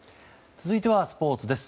続いてはスポーツです。